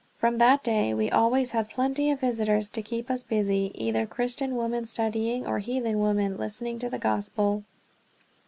From that day we always had plenty of visitors to keep us busy, either Christian women studying or heathen women listening to the Gospel.